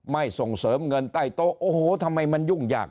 ส่งเสริมเงินใต้โต๊ะโอ้โหทำไมมันยุ่งยาก